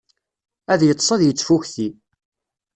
Ad yeṭṭes ad yettfukti.